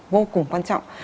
vô cùng quan trọng